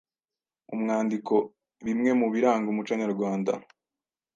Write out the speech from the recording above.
Umwandiko: Bimwe mu biranga umuco nyarwanda